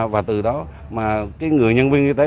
và từ đó mà cái người nhân viên y tế